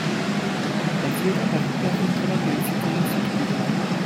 Batzuetan partikula-filtro bat gehitzen zaio zirkuituari.